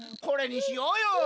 これにしようよ。